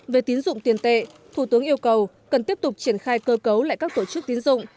về tín dụng tiền tệ thủ tướng yêu cầu cần tiếp tục triển khai cơ cấu lại các tổ chức tín dụng